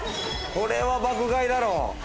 これは爆買いだろ。